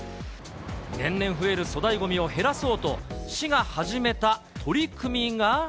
年々増える粗大ごみを減らそうと、市が始めた取り組みが。